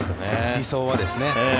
理想はですね。